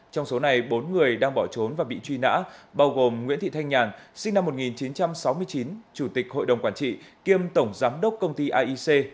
trong số này bốn người đang bỏ trốn và bị truy nã bao gồm nguyễn thị thanh nhàn sinh năm một nghìn chín trăm sáu mươi chín chủ tịch hội đồng quản trị kiêm tổng giám đốc công ty aic